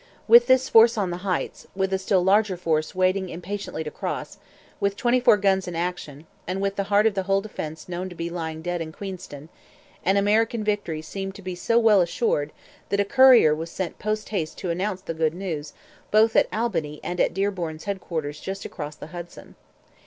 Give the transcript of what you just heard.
With this force on the Heights, with a still larger force waiting impatiently to cross, with twenty four guns in action, and with the heart of the whole defence known to be lying dead in Queenston, an American victory seemed to be so well assured that a courier was sent post haste to announce the good news both at Albany and at Dearborn's headquarters just across the Hudson.